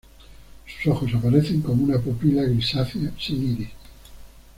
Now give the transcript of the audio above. Sus ojos aparecen como una pupila grisácea sin iris.